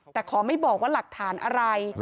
แต่ขอไม่บอกว่าหลักฐานอะไร